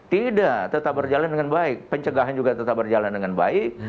tidak tetap berjalan dengan baik pencegahan juga tetap berjalan dengan baik